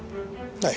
はい。